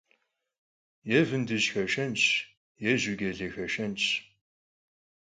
Yê vındıj xeşşenş, yê jucale xeşşenş.